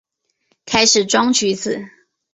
开始装橘子